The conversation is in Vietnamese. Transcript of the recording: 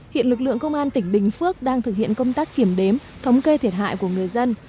hiện lực lượng công an tỉnh bình phước đang thực hiện công tác kiểm đếm thống kê thiệt hại của người dân